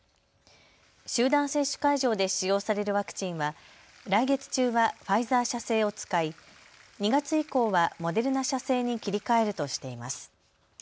集団接種会場で使用されるワクチンは来月中はファイザー社製を使い２月以降はモデルナ社製に切り替えるとしています。